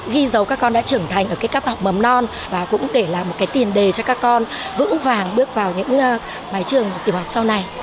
ghi dấu các con đã trưởng thành ở các học mầm non và cũng để là một tiền đề cho các con vững vàng bước vào những mái trường tiệm học sau này